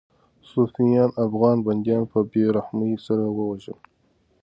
صفویانو افغان بندیان په بې رحمۍ سره ووژل.